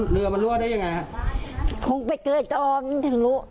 เรือมันรั่วได้ยังไงฮะคงไปเกยตองถึงรู้